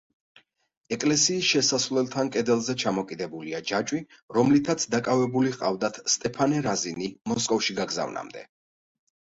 ეკლესიის შესასვლელთან კედელზე ჩამოკიდებულია ჯაჭვი, რომლითაც დაკავებული ჰყავდათ სტეფანე რაზინი მოსკოვში გაგზავნამდე.